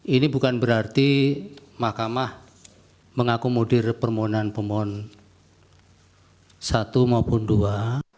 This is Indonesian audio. ini bukan berarti mahkamah mengakomodir permohonan pemohon satu maupun dua